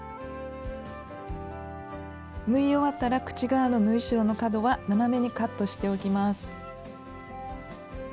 縫い終わったら口側の縫い代の角は斜めにカットしておきます。